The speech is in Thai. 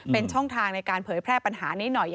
เป็นช่องทางในการเผยแพร่ปัญหานี้หน่อย